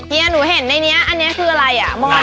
เฮียหนูเห็นในนี้อันนี้คืออะไรอ่ะมอย